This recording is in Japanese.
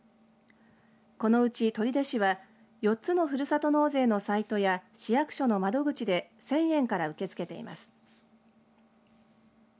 このうち、取手市は４つのふるさと納税のサイトや市役所の窓口で１０００円から受け付けています。